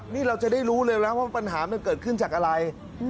นี่เราจะได้รู้เลยนะว่าปัญหามันเกิดขึ้นจากอะไร